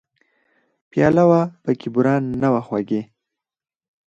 پیاله وه پکې بوره نه وه خوږې !